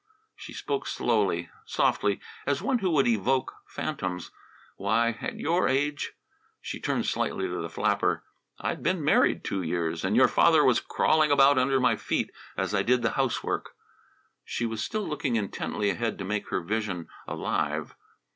She spoke slowly, softly, as one who would evoke phantoms. "Why, at your age," she turned slightly to the flapper, "I'd been married two years, and your father was crawling about under my feet as I did the housework." She was still looking intently ahead to make her vision alive.